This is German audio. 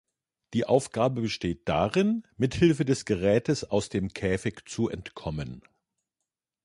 Die Aufgabe besteht darin, mithilfe des Gerätes aus dem "Käfig" zu entkommen.